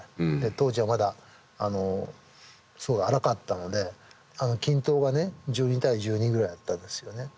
当時はまだすごい荒かったので均等がね１２対１２ぐらいだったんですよね。